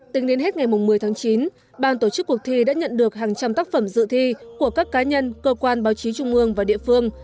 tính đến hết ngày một mươi tháng chín ban tổ chức cuộc thi đã nhận được hàng trăm tác phẩm dự thi của các cá nhân cơ quan báo chí trung mương và địa phương